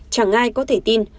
chẳng ai có thể tin